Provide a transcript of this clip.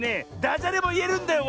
ダジャレもいえるんだよ